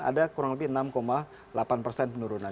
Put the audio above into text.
ada kurang lebih enam delapan persen penurunan